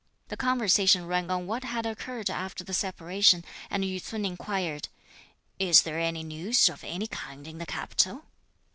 The conversation ran on what had occurred after the separation, and Yü ts'un inquired, "Is there any news of any kind in the capital?"